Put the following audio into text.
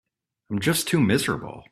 I'm just too miserable.